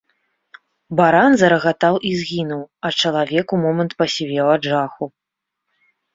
Баран зарагатаў і згінуў, а чалавек у момант пасівеў ад жаху.